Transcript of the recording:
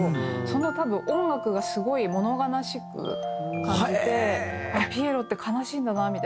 その多分音楽がすごい物悲しく感じてピエロって悲しいんだなみたいな気持ち。